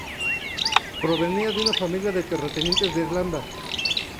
Provenía de una familia de terratenientes de Irlanda.